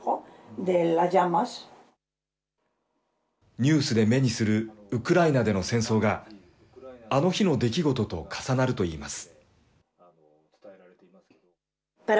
ニュースで目にするウクライナでの戦争が、あの日の出来事と重なるといいます。